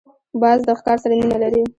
باز د ښکار سره مینه لري